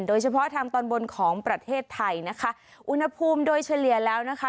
โดยเฉพาะทางตอนบนของประเทศไทยนะคะอุณหภูมิโดยเฉลี่ยแล้วนะคะ